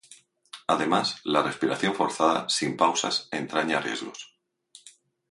Además, la respiración forzada, sin pausas, entraña riesgos.